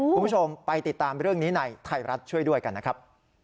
คุณผู้ชมไปติดตามเรื่องนี้ในไทยรัฐช่วยด้วยกันนะครับ